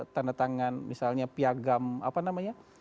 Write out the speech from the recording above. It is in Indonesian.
tanda tangan misalnya piagam apa namanya